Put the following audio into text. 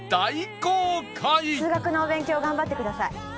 「数学のお勉強頑張ってください」